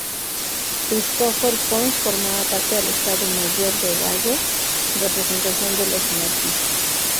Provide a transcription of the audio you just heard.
Cristòfol Pons formaba parte del Estado Mayor de Bayo, en representación de los anarquistas.